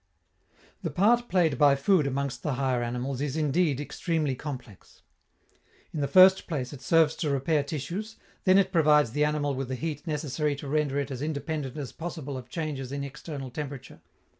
The part played by food amongst the higher animals is, indeed, extremely complex. In the first place it serves to repair tissues, then it provides the animal with the heat necessary to render it as independent as possible of changes in external temperature.